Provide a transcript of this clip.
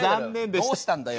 どうしたんだよ？